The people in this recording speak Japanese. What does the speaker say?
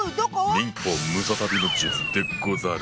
忍法ムササビの術でござる。